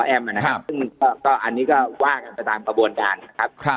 ซึ่งมันก็อันนี้ก็ว่ากันไปตามกระบวนการครับครับ